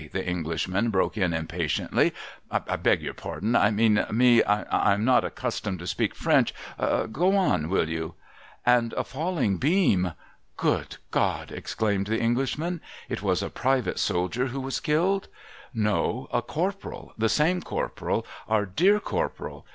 ' the Englishman broke in im patiently ;' I beg your pardon, — I mean me, — I am not accustomed to speak French, — go on, will you ?'' And a falling beam '' Good God !' exclaimed the Englishman. ' It was a private soldier who was killed ?'' No. A Corporal, the same Corporal, our dear Corporal.